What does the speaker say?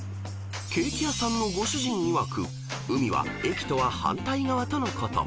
［ケーキ屋さんのご主人いわく海は駅とは反対側とのこと］